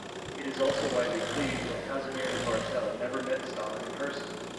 It is also widely believed that Kazimierz Bartel never met Stalin in person.